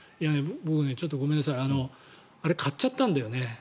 僕、ごめんなさいあれ、買っちゃったんだよね。